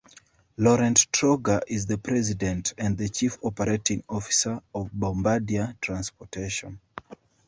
Laurent Troger is the president and chief operating officer of Bombardier Transportation.